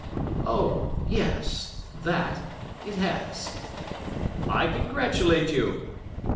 "Oh! yes—that? It has." "I congratulate you."